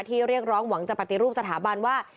เรียกร้องหวังจะปฏิรูปสถาบันว่า